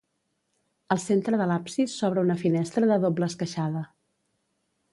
Al centre de l'absis s'obre una finestra de doble esqueixada.